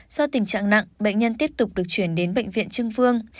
do tình trạng nặng bệnh nhân tiếp tục được chuyển đến bệnh viện trưng vương